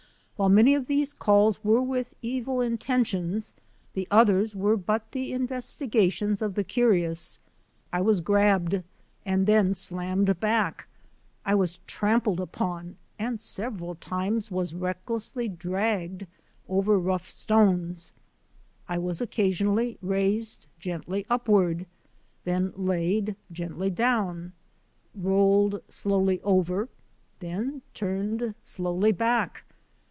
While many of these calls were with evil intentions, the others were but the investigations of the curious. I was grabbed and then slammed back; I was trampled upon and sev eral times was recklessly dragged over rough stones. I was occasionally raised gently upward, then laid gently down; rolled slowly over, then turned slowly back.